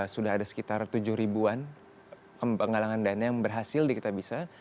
sudah ada sekitar tujuh ribuan penggalangan dana yang berhasil di kitabisa